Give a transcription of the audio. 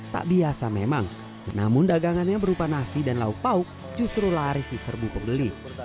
tak biasa memang namun dagangannya berupa nasi dan lauk pauk justru laris di serbu pembeli